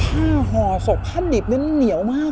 ห่อศพผ้าดิบนั้นเหนียวมาก